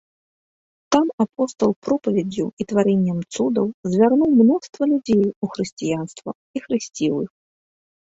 Там апостал пропаведдзю і тварэннем цудаў звярнуў мноства людзей у хрысціянства і хрысціў іх.